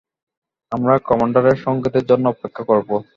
আমরা কমান্ডারের সংকেতের জন্য অপেক্ষা করব।